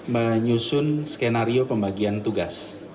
menyusun skenario pembagian tugas